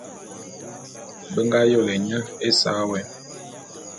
Be ngā yôlé nye ésa wé.